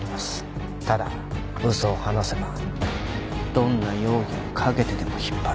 ただ嘘を話せばどんな容疑をかけてでも引っ張る。